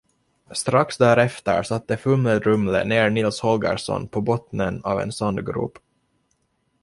Strax därefter satte Fumle-Drumle ner Nils Holgersson på bottnen av en sandgrop.